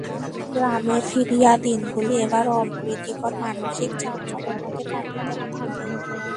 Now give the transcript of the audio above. গ্রামে ফিরিয়া দিনগুলি এবার অপ্রীতিকর মানসিক চাঞ্চল্যের মধ্যে কাটিতে থাকে।